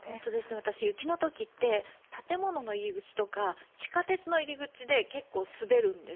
私、雪の時って建物の入り口とか地下鉄の入り口で結構、滑るんです。